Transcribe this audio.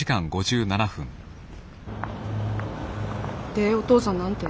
でお父さん何て？